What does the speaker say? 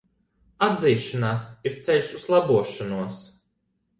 Atzīšanās ir ceļš uz labošanos.